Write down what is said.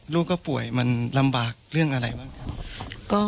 ลูกก็ป่วยมันลำบากเรื่องอะไรบ้างครับ